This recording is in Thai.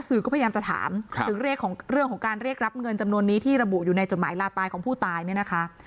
สื่อก็พยายามจะถามถึงเรื่องของการเรียกรับเงินจำนวนนี้ที่ระบุอยู่ในจดหมายลาตายของผู้ตายเนี่ยนะคะ